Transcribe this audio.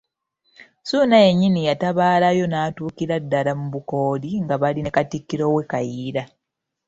Ssuuna yennyini yatabaalayo n'atuukira ddala mu Bukooli nga bali ne Katikkiro we Kayiira.